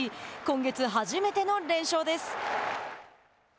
今月初めての連勝です。